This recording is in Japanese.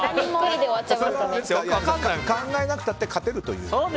考えなくたって勝てるっていう？